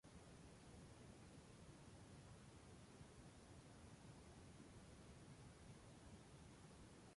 Fue mencionada por Sófocles y Pausanias.